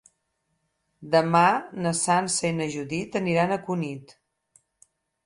Demà na Sança i na Judit aniran a Cunit.